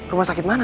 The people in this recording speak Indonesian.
rumah sakit mana